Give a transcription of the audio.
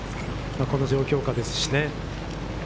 この状況下ですしね。